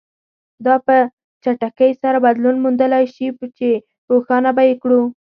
دا په چټکۍ سره بدلون موندلای شي چې روښانه به یې کړو.